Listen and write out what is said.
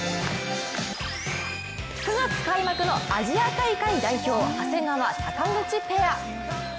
９月開幕のアジア大会代表、長谷川・坂口ペア。